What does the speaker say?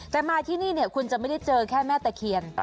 แต่มาที่นี่เนี่ยคุณจะไม่ได้เจอแค่แม่ตะเคียน